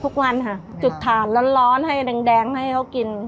ทุกวันค่ะจุดถ่านร้อนให้แดงให้เขากิน